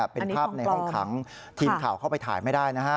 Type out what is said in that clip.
เป็นภาพในห้องขังทีมข่าวเข้าไปถ่ายไม่ได้นะฮะ